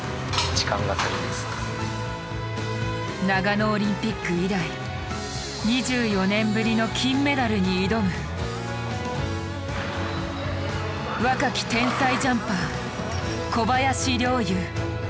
長野オリンピック以来２４年ぶりの金メダルに挑む若き天才ジャンパー小林陵侑。